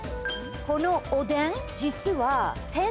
このおでん実は。